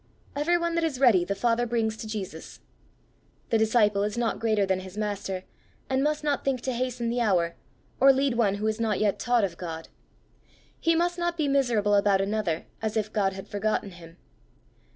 Everyone that is ready the Father brings to Jesus: the disciple is not greater than his master, and must not think to hasten the hour, or lead one who is not yet taught of God; he must not be miserable about another as if God had forgotten him.